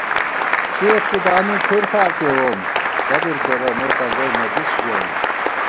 چېخ ݪی بانی کھُر فار پېووم ، صبر کېرہ مو تنگَئی مہ دِس ژَوُم